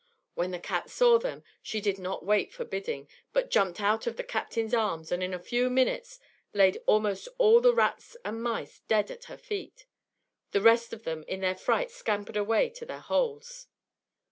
When the cat saw them, she did not wait for bidding, but jumped out of the captain's arms, and in a few minutes laid almost all the rats and mice dead at her feet. The rest of them in their fright scampered away to their holes.